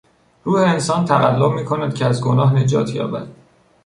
روح انسان تقلا میکند که از گناه نجات یابد.